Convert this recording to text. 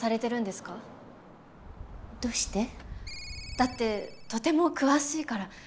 だってとても詳しいから。